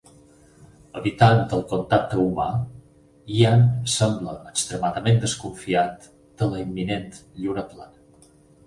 Evitant el contacte humà, Ian sembla extremadament desconfiat de la imminent lluna plena.